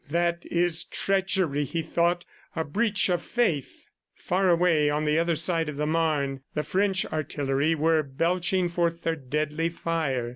"That is treachery," he thought, "a breach of faith." Far away, on the other side of the Marne, the French artillery were belching forth their deadly fire.